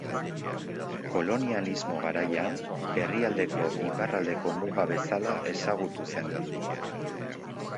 Kolonialismo garaian, herrialdeko iparraldeko muga bezala ezagutu zen.